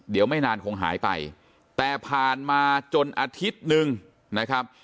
เดี๋ยวไม่นานคงหายไปแต่ผ่านมาจนอาทิตย์หนึ่งนะครับ